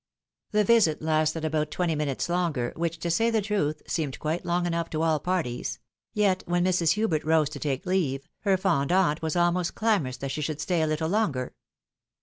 The visit lasted about twenty minutes longer, which, to say the truth, seemed quite long enough to aU parties ; yet, when Mrs. Huijert rose to take leave, her fond aunt was ahnost clamorous that she phould stay a httle longer.